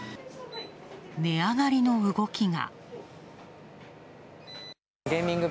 値上がりの動きが。